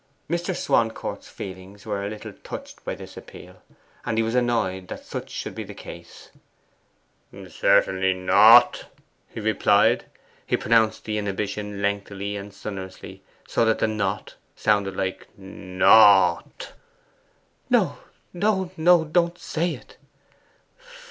Mr. Swancourt's feelings were a little touched by this appeal, and he was annoyed that such should be the case. 'Certainly not!' he replied. He pronounced the inhibition lengthily and sonorously, so that the 'not' sounded like 'n o o o t!' 'No, no, no; don't say it!